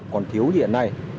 còn thiếu như hiện nay